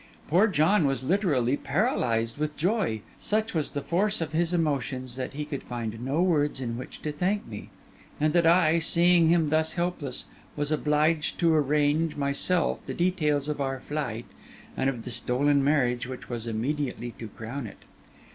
Poor John was literally paralysed with joy; such was the force of his emotions, that he could find no words in which to thank me; and that I, seeing him thus helpless, was obliged to arrange, myself, the details of our flight, and of the stolen marriage which was immediately to crown it.